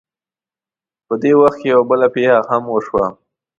په دې وخت کې یوه بله پېښه هم وشوه.